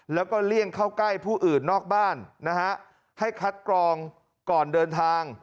แล้วก็เลี่ยงเข้าใกล้ผู้อื่นนอกบ้านนะฮะให้คัดกรองก่อนเดินทาง